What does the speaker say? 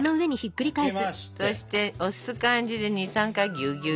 そして押す感じで２３回ぎゅぎゅっと。